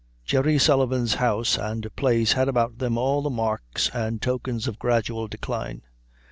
Jerry Sullivan's house and place had about them all the marks and tokens of gradual decline.